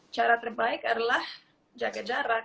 cara terbaik adalah jaga jarak